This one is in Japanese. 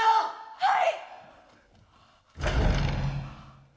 はい！